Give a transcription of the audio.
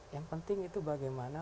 yang penting itu bagaimana